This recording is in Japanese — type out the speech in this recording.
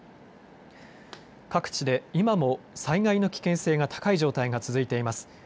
各地で今も災害の危険性が高い状態が続いています。